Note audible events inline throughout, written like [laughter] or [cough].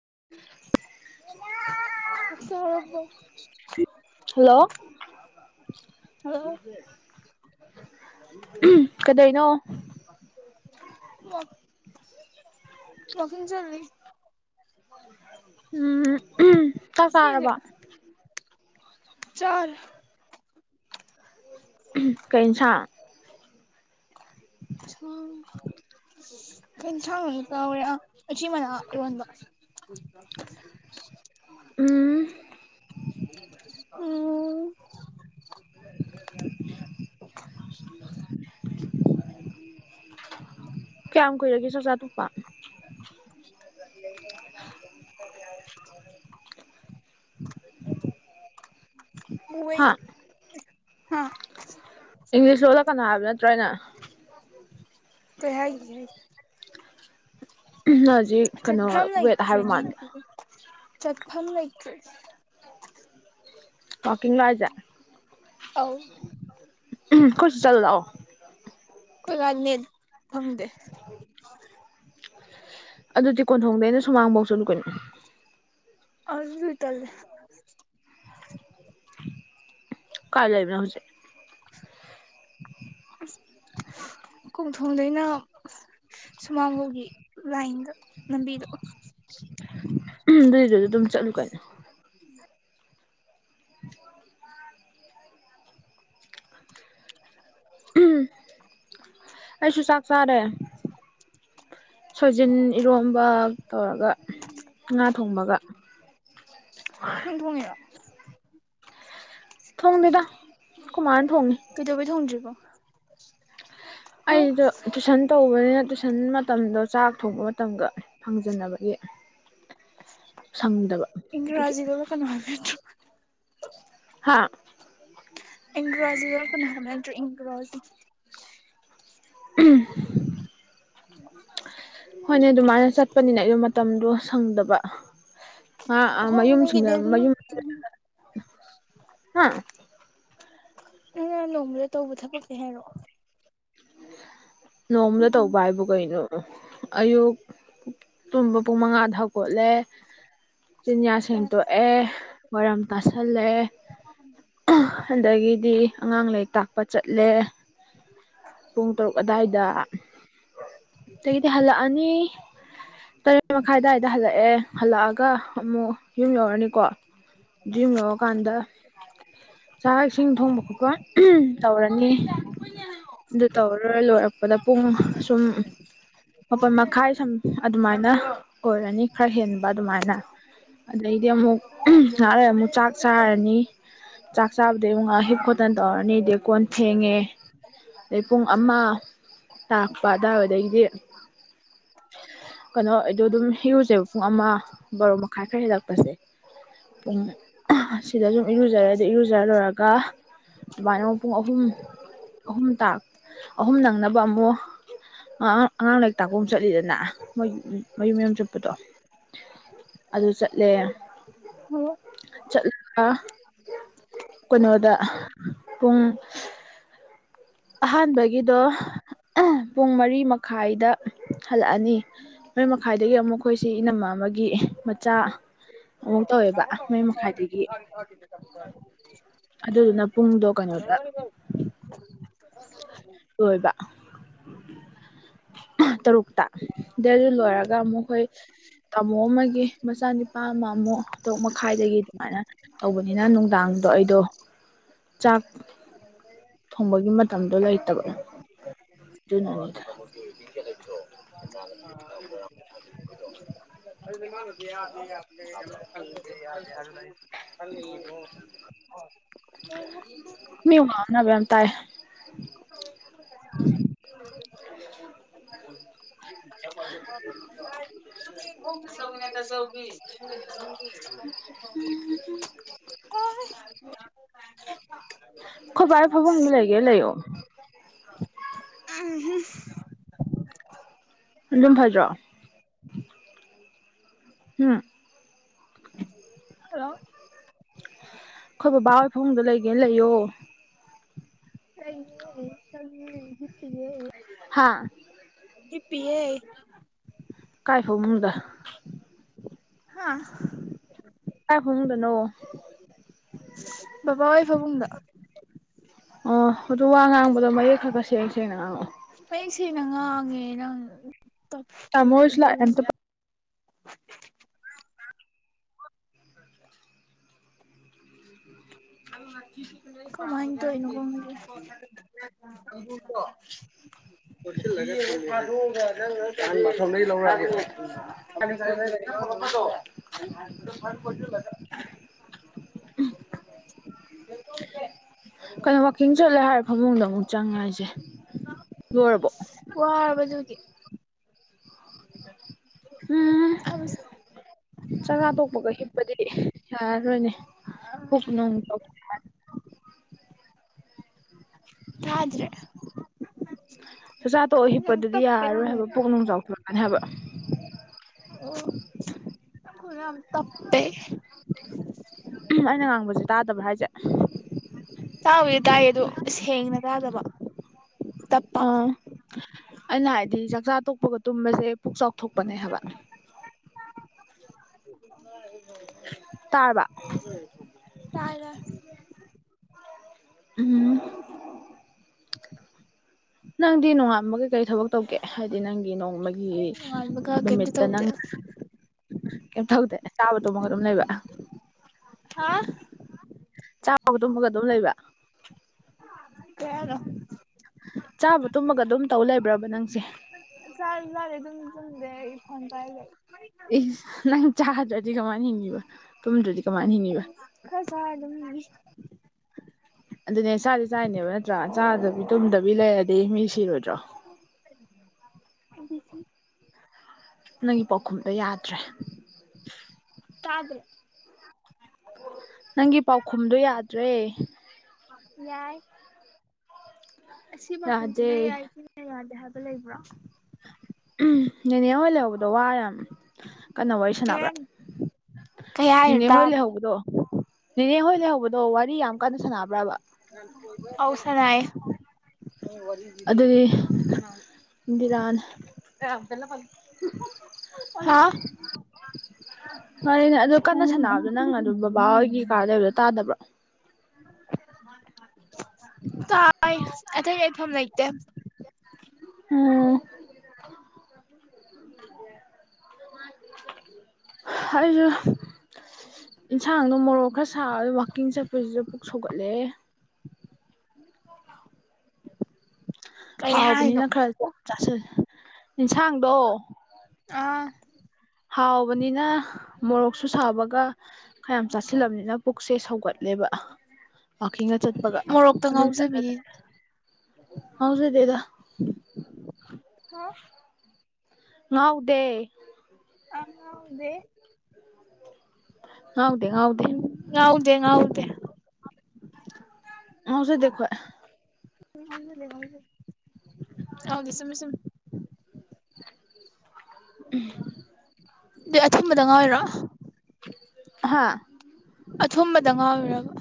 [inaudible] [unintelligible] hello [inaudible] ꯀꯗꯩꯅꯣ ꯋꯥꯀꯤꯡ ꯆꯜꯂꯤ ꯎꯝ ꯆꯥꯛ ꯆꯥꯔꯥꯕꯣ ꯆꯔꯦ ꯀꯩ ꯏꯟꯁꯥꯡ [inaudible] ꯀꯩ ꯏꯟꯁꯥꯡꯅꯣꯅꯦ ꯀꯥꯎꯔꯦ ꯑꯥ ꯎꯆꯤꯃꯅꯥ ꯏꯔꯣꯟꯕ ꯎꯝ ꯎꯝ [inaudible] ꯀꯌꯥꯝ ꯀꯨꯏꯔꯒꯦ ꯆꯥꯛꯆꯥꯥꯇꯣꯛꯄ [inaudible] ꯍꯥ ꯍꯥ ꯏꯪꯂꯤꯁ ꯂꯣꯟꯂꯛꯀꯅꯣ ꯍꯥꯏꯕ ꯅꯠꯇ꯭ꯔꯣ ꯑꯩꯅꯥ ꯀꯩ ꯍꯥꯏꯒꯤꯒꯦ ꯑꯩ ꯅꯪ ꯍꯧꯖꯤꯛ ꯀꯩꯅꯣ ꯆꯠꯐꯝ ꯋꯦꯠ ꯍꯥꯏꯕ ꯃꯥꯜꯂꯤ ꯆꯠ ꯐꯝ ꯂꯩꯠꯔꯦ ꯋꯥꯥꯛꯀꯤꯡ ꯂꯥꯛꯍꯖ ꯑꯧ ꯈꯣꯏ ꯁꯤ ꯆꯠꯂꯨ ꯂꯥꯛꯑꯣ ꯅꯣꯏ ꯑꯗꯥꯏꯗꯨ ꯅꯦꯠ ꯐꯪꯗꯦ ꯑꯗꯨꯗꯤ ꯀꯣꯟꯊꯣꯡꯗꯩꯅ ꯁꯨꯃꯥꯡꯐꯧ ꯆꯠꯂꯨ ꯀꯩꯅꯣ ꯑꯗꯨꯁꯨ ꯇꯜꯂꯦ ꯀꯥꯥꯏ ꯂꯩꯕ ꯅꯪ ꯍꯧꯖꯤꯛ ꯀꯣꯟꯊꯣꯡꯗꯩꯅ ꯁꯨꯃꯥꯡꯕꯥꯎꯒꯤ ꯂꯥꯏꯟꯗ ꯂꯝꯕꯤꯗ ꯑꯗꯨꯏꯗꯨꯗ ꯑꯗꯨꯝ ꯆꯠꯂꯨꯀꯩꯅꯣ [unintelligible] [unintelligible] ꯑꯩꯁꯨ ꯆꯥꯛ ꯆꯥꯔꯦ ꯁꯣꯏꯖꯤꯟ ꯏꯔꯣꯝꯕ ꯇꯧꯔꯒ ꯉꯥ ꯊꯣꯡꯕꯒ ꯅꯪ ꯊꯣꯡꯉꯤꯔꯣ ꯊꯣꯡꯗꯦꯗ ꯑꯈꯣꯏ ꯃꯥꯅ ꯊꯣꯡꯉꯤ ꯀꯩꯗꯧꯕꯩ ꯊꯣꯡꯗ꯭ꯔꯤꯕ ꯑꯩꯗꯣ ꯇꯨꯏꯁꯟ ꯇꯧꯕꯅꯤꯅ ꯇꯨꯏꯁꯟ ꯃꯠ ꯃꯇꯝꯗꯣ ꯆꯥꯛ ꯊꯣꯡꯕ ꯃꯇꯝꯒ ꯐꯪꯖꯟꯅꯕꯒꯤ ꯁꯪꯗꯕ ꯑꯗꯨꯒꯤ ꯏꯪꯒ꯭ꯔꯥꯖꯤꯗꯔ ꯀꯩꯅꯣ ꯍꯥꯏꯕ ꯍꯥ ꯏꯪꯒ꯭ꯔꯥꯖꯤ ꯂꯣꯟꯂꯛꯀꯅꯣ ꯍꯥꯏꯕ ꯅꯠꯇ꯭ꯔꯣ ꯏꯪꯒ꯭ꯔꯥꯖꯤ ꯎꯝ ꯍꯣꯏꯅꯦ ꯑꯗꯨꯃꯥꯏꯅ ꯆꯠꯄꯅꯤꯅ ꯑꯩꯗꯣ ꯃꯇꯝꯗꯣ ꯁꯪꯗꯕ ꯑ ꯑ ꯍꯣ ꯃꯌꯨꯝ ꯅꯪꯒꯤ ꯗꯦꯂꯤ ꯃꯌꯨꯝ ꯔꯨꯇꯤꯟ ꯍꯥ ꯅꯪꯅ ꯅꯣꯡꯃꯗ ꯇꯧꯕ ꯊꯕꯛꯀꯩ ꯍꯥꯏꯔꯛꯑꯣ ꯅꯣꯡꯃꯗ ꯇꯧꯕ ꯍꯥꯏꯕꯨ ꯀꯩꯅꯣ ꯑꯌꯨꯛ ꯇꯨꯝꯕ ꯄꯨꯡ ꯃꯉꯥꯗ ꯊꯥꯛ ꯀꯣꯠꯂꯦ ꯆꯤꯟꯌꯥ ꯁꯦꯡꯇꯣꯛꯑꯦ ꯋꯥꯏꯔꯝ ꯇꯥꯁꯜꯂꯦ ꯑꯗꯒꯤꯗꯤ ꯑꯉꯥꯡ ꯂꯥꯏꯔꯤꯛ ꯇꯥꯛꯄ ꯆꯠꯂꯦ ꯄꯨꯡ ꯇꯔꯨꯛ ꯑꯗꯥꯏꯗ ꯑꯗꯒꯤꯗꯤ ꯍꯜꯂꯛꯑꯅꯤ ꯇꯔꯦꯠ ꯃꯈꯥꯏ ꯑꯗꯥꯏꯗ ꯍꯜꯂꯛꯑꯦ ꯍꯜꯂꯛꯑꯒ ꯑꯃꯨꯛ ꯌꯨꯝ ꯌꯧꯔꯅꯤꯀꯣ ꯌꯨꯝ ꯌꯧꯔꯀꯥꯟꯗ ꯆꯥꯛ ꯏꯁꯤꯡ ꯊꯣꯡꯕ ꯈꯣꯠꯄ ꯇꯧ ꯇꯧꯔꯅꯤ ꯑꯗꯨ ꯇꯧꯔ ꯂꯣꯏꯔꯛꯄꯗ ꯄꯨꯡ ꯁꯨꯝ ꯃꯄꯥꯟ ꯃꯈꯥꯏ ꯁꯨꯝ ꯑꯗꯨꯃꯥꯏꯅ ꯑꯣꯏꯔꯅꯤ ꯈꯔ ꯍꯦꯟꯕ ꯑꯗꯨꯃꯥꯏꯅ ꯑꯗꯩꯗꯤ ꯑꯃꯨꯛ ꯉꯥꯍꯥꯛ ꯂꯩꯔ ꯑꯃꯨꯛ ꯆꯥꯛ ꯆꯥꯔꯅꯤ ꯆꯥꯛ ꯆꯥꯕꯗꯩ ꯑꯃꯨꯛ ꯉꯍꯥꯛ ꯍꯤꯞ ꯈꯣꯠꯇꯅ ꯇꯧꯔꯅꯤꯗꯤ ꯀꯣꯟ ꯐꯦꯡꯉꯦ ꯑꯗꯩ ꯄꯨꯡ ꯑꯃ ꯇꯥꯔꯛꯄ ꯑꯗꯨꯋꯥꯗꯒꯤꯗꯤ ꯀꯩꯅꯣ ꯑꯩꯗꯣ ꯑꯗꯨꯝ ꯍꯤꯔꯨꯁꯦꯕ ꯄꯨꯡ ꯑꯃ ꯕꯥꯔꯣ ꯃꯈꯥꯏ ꯈꯔ ꯍꯦꯜꯂꯛꯄꯁꯦ ꯄꯨꯡ ꯑꯁꯤꯗ ꯁꯨꯝ ꯏꯔꯨꯖꯔꯦ ꯑꯗꯨ ꯏꯔꯨꯖꯔ ꯂꯣꯏꯔꯒ ꯑꯗꯨꯃꯥꯏꯅ ꯑꯃꯨꯛ ꯄꯨꯡ ꯑꯍꯨꯝ ꯑꯍꯨꯝ ꯇ ꯑꯍꯨꯝ ꯅꯪꯅꯕ ꯑꯃꯨꯛ ꯑ ꯑꯉꯥꯡ ꯂꯥꯏꯔꯤꯛ ꯇꯥꯛꯄ ꯑꯃꯨꯛ ꯆꯠꯂꯤꯗꯅ ꯃꯌꯨꯝ ꯃꯌꯨꯝ ꯆꯠꯄꯗꯣ ꯑꯗꯨ ꯆꯠꯂꯦ ꯆꯠꯂꯒ ꯀꯩꯅꯣꯗ ꯄꯨꯡ ꯑꯍꯥꯟꯕꯒꯤꯗꯣ ꯄꯨꯡ ꯃꯔꯤ ꯃꯈꯥꯏꯗ ꯍꯜꯂꯛꯑꯅꯤ ꯃꯔꯤ ꯃꯈꯥꯏꯗꯒꯤ ꯑꯃꯨꯛ ꯑꯩꯈꯣꯏꯁꯤ ꯏꯅꯝꯃ ꯑꯃꯒꯤ ꯃꯆꯥ ꯑꯃꯨꯛ ꯇꯧꯋꯦꯕ ꯇꯧꯔꯣ ꯇꯧꯔꯣ ꯃꯔꯤ ꯀꯩꯁꯧ ꯍꯥꯏꯗꯦꯗ ꯃꯈꯥꯏꯗꯒꯤ ꯊꯥꯒꯤ ꯊꯥꯒꯤ ꯑꯗꯨꯗꯨꯅ ꯄꯨꯡꯗꯣ ꯀꯩꯅꯣꯗ [unintelligible] [inaudible] ꯂꯣꯏꯕ ꯇꯔꯨꯛꯇ ꯗꯩꯗꯨ ꯂꯣꯏꯔꯒ ꯑꯃꯨꯛꯈꯣꯏ ꯇꯥꯃꯣ ꯑꯃꯒꯤ ꯃꯆꯥꯅꯤꯄꯥ ꯑꯃ ꯑꯃꯨꯛ ꯇꯔꯨꯛ ꯃꯈꯥꯏꯗꯒꯤ ꯑꯗꯨꯃꯥꯏꯅ ꯇꯧꯕꯅꯤꯅ ꯗꯥꯥꯡꯗꯣ ꯑꯩꯗꯣ ꯎꯝ ꯆꯥꯛ [unintelligible] [inaudible] ꯊꯣꯡꯕꯒꯤ ꯃꯇꯝꯗꯣ ꯂꯩꯇꯕ [unintelligible] [inaudible] [unintelligible] [inaudible] [unintelligible] [inaudible] [unintelligible] [inaudible] ꯅꯕ ꯌꯥꯝ ꯇꯥꯏ [unintelligible] [inaudible] ꯇꯥꯆꯧꯒꯤꯅ ꯇꯥꯆꯧꯒꯤ ꯌꯨꯝꯒꯤꯅ ꯌꯨꯝꯒꯤ [unintelligible] ꯑꯣ [unintelligible] [inaudible] ꯑꯩꯈꯣꯏ ꯕꯥ ꯐꯝꯕꯝꯗ ꯂꯩꯒꯦ ꯂꯩꯑꯣ ꯑꯗꯨꯝ ꯐꯖꯗꯔꯣ ꯍꯨꯝ ꯍꯜꯂꯣ ꯈꯣꯏ ꯕꯕꯥ ꯍꯣꯏ ꯐꯃꯨꯡꯗ ꯂꯩꯒꯦ ꯂꯩꯌꯣ ꯂꯩꯌꯦ ꯆꯪꯌꯦ ꯍꯤꯝꯄꯤꯌꯦ ꯍꯥꯥ ꯍꯤꯞ ꯄꯤꯌꯦ ꯀꯥꯏꯐꯃꯨꯡꯗ ꯍꯥ ꯀꯥꯏ ꯐꯃꯨꯡꯗꯅꯣ ꯕꯕꯥ ꯍꯣꯏ ꯐꯥꯕꯨꯡꯗ ꯑꯣ ꯑꯥꯗꯨ ꯋꯥ ꯉꯥꯡꯕꯗꯣ ꯃꯌꯦꯛ ꯈꯔ ꯈꯔ ꯁꯦꯡꯅ ꯁꯦꯡꯅ ꯉꯥꯡꯉꯛꯑꯣ ꯃꯌꯦꯛ ꯁꯦꯡꯅ ꯅꯪ ꯇꯞꯄꯦ ꯇꯥꯃꯣ ꯍꯣꯏꯁꯨ ꯂꯥꯛꯑꯦ ꯚꯣꯜꯂꯨꯝ ꯑꯝꯇ [unintelligible] [unintelligible] ꯀꯃꯥꯏꯅ ꯇꯧꯔꯤꯅꯣ ꯈꯪꯗꯦ [unintelligible] [unintelligible] [unintelligible] ꯀꯩꯅꯣ ꯋꯥꯛꯀꯤꯡ ꯆꯠꯂꯦ ꯍꯥꯏꯔ ꯐꯃꯨꯡꯗ ꯑꯥꯃꯨꯛ ꯆꯪꯉꯦ ꯍꯥꯏꯖꯦ ꯋꯥꯔꯕ ꯗꯨꯒꯤ ꯍꯨꯝ ꯑꯁ ꯆꯥꯛꯆꯥ ꯇꯣꯛꯄꯒ ꯍꯥꯞ ꯗꯤ ꯌꯥꯔꯣꯏꯅꯦ ꯄꯨꯛ ꯅꯨꯡ [unintelligible] ꯇꯥꯗꯔꯦ ꯆꯥꯛꯆꯥ ꯇꯣꯛꯑ ꯍꯤꯞꯄꯗꯨꯗꯤ ꯇꯞꯄꯦ ꯌꯥꯔꯔꯣꯏ ꯅꯪ ꯍꯥꯏꯕ ꯄꯣꯛ ꯅꯨꯡ ꯆꯥꯎꯊꯣꯛꯂꯛꯑꯅꯤ ꯍꯥꯏꯕ ꯑꯣ ꯅꯈꯣꯟꯗꯣ ꯇꯞꯄꯦ ꯑꯩꯅ ꯉꯥꯡꯕꯁꯦ ꯇꯥꯗꯕ꯭ꯔꯥ ꯍꯥꯏꯁꯦ [unintelligible] ꯇꯥꯕꯨꯗꯤ ꯇꯥꯏꯌꯦ ꯗꯨ ꯏꯁ ꯁꯦꯡꯅ ꯇꯥꯗꯕ ꯇꯞꯄ ꯑꯥꯎ ꯑꯩꯅ ꯍꯥꯏꯗꯤ ꯆꯥꯛꯆꯥ ꯇꯣꯛꯄꯒ ꯇꯨꯝꯕꯖꯦ ꯄꯨꯛ ꯆꯥꯎꯊꯣꯛꯄꯅꯦ ꯍꯥꯏꯕ ꯇꯥꯔꯕ ꯇꯥꯔꯦ ꯎꯝ ꯅꯪꯗꯤ ꯅꯨꯡꯉꯥꯟꯕꯒ ꯀꯩ ꯊꯕꯛ ꯇꯧꯒꯦ ꯍꯥꯏꯗꯤ ꯅꯪꯒꯤ ꯅꯣꯡꯃꯒꯤ ꯑꯩ ꯅꯣꯡꯉꯥꯟꯕꯒ ꯀꯩꯝꯇ ꯅꯨꯃꯤꯠꯇ ꯇꯧꯗꯦ ꯅꯪ ꯀꯩꯝ ꯇꯧꯗꯦ ꯆꯥꯕ ꯇꯨꯝꯃꯒ ꯑꯗꯨꯝ ꯂꯩꯕ ꯍꯥ ꯆꯥꯕꯒ ꯇꯨꯝꯃꯒ ꯑꯗꯨꯝ ꯂꯩꯕ꯭ ꯀꯩ ꯍꯥꯏꯅꯣ ꯆꯥꯕ ꯇꯨꯝꯃꯒ ꯑꯥꯗꯨꯝ ꯇꯧ ꯂꯩꯕ꯭ꯔꯕ ꯅꯪꯁꯦ ꯆꯥꯖꯨ ꯆꯥꯗꯦ ꯇꯨꯝꯖꯨ ꯇꯨꯝꯗꯦ ꯑꯩ ꯐꯣꯟ ꯄꯥꯏꯔ ꯂꯩ ꯏꯁ ꯅꯪ ꯆꯥꯔ ꯀꯃꯥꯏꯅ ꯍꯤꯡꯉꯤꯕ ꯇꯨꯝꯗ꯭ꯔꯗꯤ ꯀꯃꯥꯏꯅ ꯍꯤꯡꯉꯤꯕ ꯈꯔ ꯆꯥꯔ ꯑꯗꯨꯝ ꯑꯗꯨꯅꯦ ꯆꯥꯖꯨ ꯆꯥꯏꯅꯦꯕ ꯅꯠꯇ꯭ꯔꯥ ꯆꯥꯗꯕꯤ ꯇꯨꯝꯗꯕꯤ ꯂꯩꯔꯗꯤ ꯃꯤ ꯁꯤꯔꯣꯏꯗ꯭ꯔꯣ [inaudible] ꯅꯪꯒꯤ ꯄꯥꯎꯈꯨꯝꯗꯣ ꯌꯥꯗ꯭ꯔꯦ ꯇꯥꯗ꯭ꯔꯦ ꯅꯪꯒꯤ ꯄꯥꯎꯈꯨꯝꯗꯣ ꯌꯥꯗ꯭ꯔꯦ ꯌꯥꯏ ꯑꯥꯁꯤ ꯃꯈꯨꯝꯁꯤꯅ ꯌꯥꯗꯦ ꯌꯥꯏ ꯁꯤꯅ ꯌꯥꯅꯤ [unintelligible] ꯂꯩꯕ꯭ꯔꯣ ꯎꯝ ꯅꯦꯅꯦ ꯍꯣꯏ ꯂꯩꯍꯧꯕꯗꯣ ꯋꯥ ꯌꯥꯝ ꯀꯟꯅ ꯋꯥꯔꯤ ꯁꯥꯟꯅꯕ꯭ꯔꯥ ꯀꯩ ꯍꯥꯏꯅꯣ ꯅꯦꯅꯦ ꯍꯣꯏ ꯇꯥꯗꯦ ꯂꯩꯍꯧꯕꯗꯣ ꯅꯦꯅꯦꯍꯣꯏ ꯂꯩꯍꯧꯕꯗꯣ ꯋꯥꯔꯤ ꯌꯥꯝ ꯀꯟꯅ ꯁꯥꯟꯅꯕ꯭ꯔꯕ ꯑꯧ ꯁꯥꯟꯅꯌꯦ ꯑꯥꯗꯨꯗꯤ ꯕꯤꯔꯥꯅꯤ ꯍꯥ [unintelligible] ꯀꯟꯅ ꯁꯥꯟꯅꯕꯗꯣ ꯅꯪꯅ ꯑꯗꯨ ꯕꯕꯥ ꯍꯣꯏꯒꯤ ꯀꯥꯗ ꯂꯩꯕꯗꯣ ꯇꯥꯗꯕ꯭ꯔꯣ ꯇꯥꯏ ꯑꯇꯩ ꯂꯩꯐꯝ ꯂꯩꯇꯦ ꯎꯝ [inaudible] [unintelligible] [unintelligible] [inaudible] ꯑꯩꯁꯨ ꯏꯟꯁꯥꯡꯗꯣ ꯃꯣꯔꯣꯛ ꯈꯔ ꯁꯥꯕ ꯋꯥꯛꯀꯤꯡ ꯆꯠꯄꯁꯤꯗ ꯄꯨꯛ ꯁꯧꯒꯠꯂꯑꯦ ꯀꯩ ꯍꯥꯏꯅꯣ ꯍꯥꯎꯕꯅꯤꯅ ꯈꯔ ꯆꯥꯁꯜꯂꯦ ꯏꯟꯁꯥꯡꯗꯣ ꯑꯥ ꯍꯥꯎꯕꯅꯤꯅ ꯃꯣꯔꯣꯛꯁꯨ ꯁꯥꯕꯒ ꯈꯌꯥꯝ ꯆꯥꯁꯤꯜꯂꯕꯅꯤꯅ ꯄꯨꯛꯁꯦ ꯁꯧꯒꯠ ꯂꯦꯕ ꯋꯥꯛꯀꯤꯡꯒ ꯆꯠꯄꯒ ꯃꯣꯔꯣꯛꯇ ꯑꯗꯨꯝ ꯆꯠꯂ ꯉꯥꯎꯖꯕꯤꯅꯤ ꯍꯥꯎꯖꯇꯦꯗ ꯍꯥ ꯉꯥꯎꯗꯦ ꯑ ꯉꯥꯎꯗꯦ ꯉꯥꯎꯗꯦ ꯉꯥꯎꯗꯦ ꯎꯝ ꯉꯥꯎꯗꯦ ꯉꯥꯎꯗꯦ ꯉꯥꯎꯖꯗꯦ ꯑꯈꯣꯏ ꯉꯥꯎꯖꯗꯦ ꯉꯥꯎꯖꯗꯦ ꯉꯥꯎꯗꯦ ꯆꯨꯝꯃꯤ ꯆꯨꯝꯃꯤ ꯎꯝ ꯑꯗꯨ ꯑꯊꯨꯝꯕꯗ ꯉꯥꯎꯔꯤꯔꯣ ꯍꯥ ꯑꯊꯨꯝꯕꯗ ꯉꯥꯎꯔꯤꯔꯕ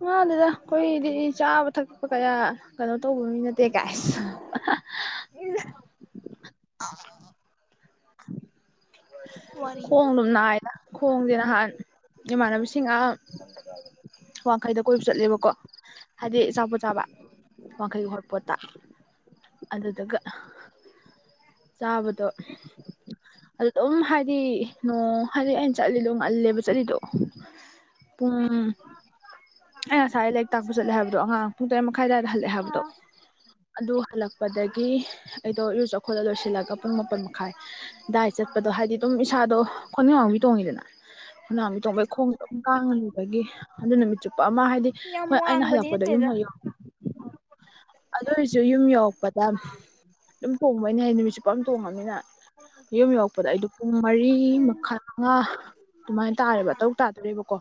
ꯉꯥꯎꯗꯦꯗ ꯑꯩꯈꯣꯏꯗꯤ ꯆꯥꯕ ꯊꯛꯄ ꯀꯌꯥ ꯀꯩꯅꯣ ꯇꯧꯕ ꯃꯤ ꯅꯠꯇꯦ ꯀꯥꯏꯁ ꯏꯁ ꯑ ꯈꯣꯡ ꯑꯗꯨꯝ ꯅꯥꯏꯗ ꯈꯣꯡꯁꯦ ꯅꯍꯥꯟ ꯏꯃꯥꯟꯅꯕꯁꯤꯡꯒ ꯋꯥꯡꯈꯩꯗ ꯀꯣꯏꯕ ꯆꯠꯂꯦꯕꯀꯣ ꯍꯥꯏꯗꯤ ꯑꯆꯥꯄꯣꯠ ꯆꯥꯕ ꯋꯥꯡꯈꯩ ꯍꯣꯠꯄꯣꯠꯇ ꯑꯗꯨꯗꯨꯒ ꯆꯥꯕꯗꯣ ꯑꯗꯨ ꯑꯗꯨꯝ ꯍꯥꯏꯗꯤ ꯅꯣꯡ ꯍꯥꯏꯗꯤ ꯑꯩꯅ ꯆꯠꯂꯤꯗꯣ ꯉꯜꯂꯦꯕ ꯆꯠꯂꯤꯗꯣ ꯄꯨꯡ ꯑꯩ ꯉꯁꯥꯏ ꯂꯥꯏꯔꯤꯛ ꯇꯥꯛꯄ ꯆꯠꯂꯦ ꯍꯥꯏꯕꯗꯣ ꯑꯉꯥꯡ ꯄꯨꯡ ꯇꯔꯦꯠ ꯃꯈꯥꯏ ꯑꯗꯨꯋꯥꯏꯗ ꯍꯜꯂꯦ ꯍꯥꯏꯕꯗꯣ ꯑꯥ ꯑꯗꯨ ꯍꯜꯂꯛꯄꯗꯒꯤ ꯑꯩꯗꯣ ꯏꯔꯨ ꯖꯧ ꯂꯣꯏꯁꯤꯜꯂꯒ ꯄꯨꯡ ꯃꯥꯄꯟ ꯃꯈꯥꯏ ꯗꯥꯏ ꯆꯠꯄꯗꯣ ꯍꯥꯏꯗꯤ ꯑꯗꯨꯝ ꯏꯁꯥꯗꯣ ꯈꯨꯅꯤꯡ ꯋꯥꯡꯕ ꯇꯣꯡꯉꯤꯗ [unintelligible] [inaudible] ꯇꯣꯡꯕꯩ ꯈꯣꯡ ꯑꯗꯨꯝ ꯀꯥꯡꯉ ꯂꯩꯕꯒꯤ ꯑꯗꯨ ꯅꯨꯃꯤꯠ ꯆꯨꯞꯄ ꯑꯃ ꯍꯥꯏꯗꯤ ꯍꯣꯏ ꯑꯩꯅ ꯍꯜꯂꯛꯄꯗꯣ ꯌꯨꯝ ꯍ ꯎ ꯑꯗꯨ ꯑꯣꯏꯔꯁꯨ ꯌꯨꯝ ꯌꯧꯔꯛꯄꯗ ꯌꯨꯝ ꯊꯣꯡꯕꯅꯦ ꯍꯥꯏ ꯅꯨꯃꯤꯠꯁꯨ ꯄꯝ ꯊꯣꯡꯉꯝꯅꯤꯅ ꯌꯨꯝ ꯌꯧꯔꯛꯄꯗ ꯑꯩꯗꯣ ꯄꯨꯡ ꯃꯔꯤ ꯃꯈꯥ ꯃꯉꯥ ꯑꯗꯨꯃꯥꯏꯅ ꯇꯥꯔꯦꯕ ꯇꯥꯔꯨꯛ ꯇꯥꯗ ꯔꯦꯕ ꯀꯣ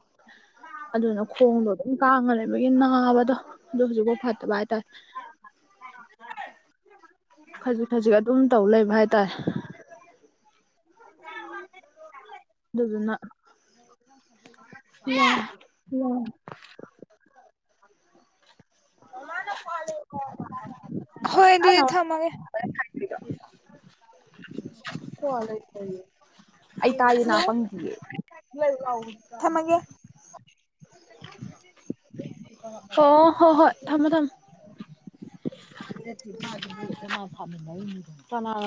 ꯑꯗꯨꯅ ꯈꯣꯡꯗꯣ ꯑꯗꯨꯝ ꯀꯥꯡꯉ ꯂꯩꯕꯒꯤ ꯅꯥꯕꯗꯣ ꯑꯗꯨ ꯍꯧꯖꯤꯛꯐꯥꯎ ꯐꯠꯇꯕ ꯍꯥꯏꯇꯥꯔꯦ [unintelligible] ꯈꯖꯤꯛ ꯈꯖꯤꯛ ꯑꯗꯨꯝ ꯇꯧ ꯂꯩꯕ ꯍꯥꯏꯇꯥꯔꯦ [unintelligible] ꯑꯗꯨꯗꯨꯅ ꯑ ꯍꯣꯏ ꯑꯗꯨꯗꯤ ꯊꯝꯃꯒꯦ [unintelligible] ꯑꯩ ꯇꯥꯏꯌꯦ ꯅꯥ ꯍꯜꯂꯣ ꯄꯪꯗꯤꯌꯦ ꯊꯝꯃꯒꯦ ꯑꯣ ꯍꯣ ꯍꯣꯏ ꯊꯝꯃꯣ ꯊꯝꯃꯣ ꯀꯅꯥꯅꯣ